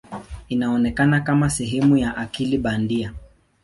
Inaonekana kama sehemu ya akili bandia.